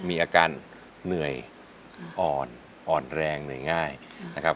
มีอาการเหนื่อยอ่อนอ่อนแรงเหนื่อยง่ายนะครับ